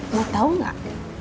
mau tau nggak